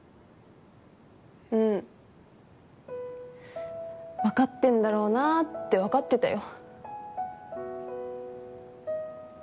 うん分かってるんだろうなって分かってたよ。